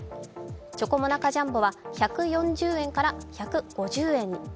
チョコモナカジャンボは１４０円から１５０円に。